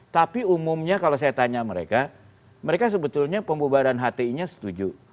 tapi umumnya kalau saya tanya mereka mereka sebetulnya pembubaran hti nya setuju